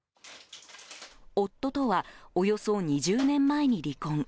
夫とは、およそ２０年前に離婚。